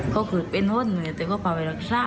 เขาคือเป็นห้นเค้าก็พาไปรักษะ